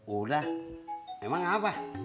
udah emang apa